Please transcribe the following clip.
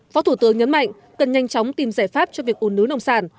phó thủ tướng nhấn mạnh cần nhanh chóng tìm giải pháp cho việc ủ nứ nông sản